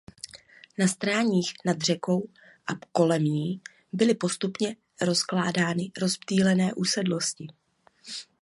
Na stráních nad řekou a kolem ní byly postupně zakládány rozptýlené usedlosti.